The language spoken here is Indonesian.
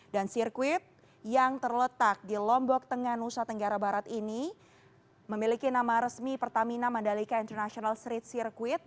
dan sirkuit yang terletak di lombok tengah nusa tenggara barat ini memiliki nama resmi pertamina madalika international street